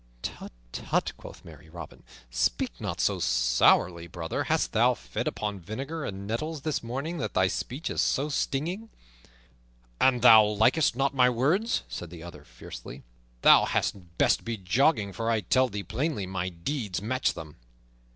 "Tut, tut," quoth merry Robin, "speak not so sourly, brother. Hast thou fed upon vinegar and nettles this morning that thy speech is so stinging?" "An thou likest not my words," said the other fiercely, "thou hadst best be jogging, for I tell thee plainly, my deeds match them."